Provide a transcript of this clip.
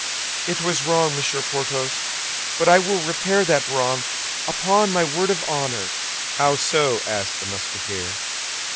"It was wrong, Monsieur Porthos; but I will repair that wrong, upon my word of honor." "How so?" asked the Musketeer.